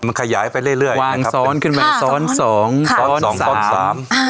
มันขยายไปเรื่อยเรื่อยวางซ้อนขึ้นมาซ้อนสองซ้อนสองซ้อนสามอ่า